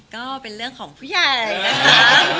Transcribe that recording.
ก็เป็นเรื่องของผู้ใหญ่นะคะ